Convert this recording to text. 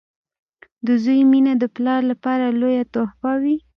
• د زوی مینه د پلار لپاره لویه تحفه وي.